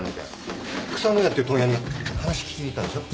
草野屋って問屋に話聞きに行ったんでしょ？